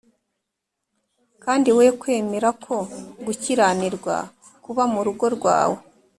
kandi we kwemera ko gukiranirwa kuba mu rugo rwawe